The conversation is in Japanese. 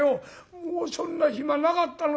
「もうそんな暇なかったの。